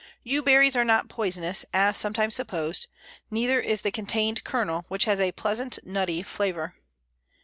Yew berries are not poisonous, as sometimes supposed; neither is the contained kernel, which has a pleasant nutty flavour.